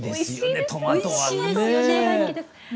トマトはね。